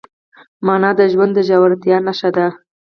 مانا د ژوند د ژورتیا نښه ده.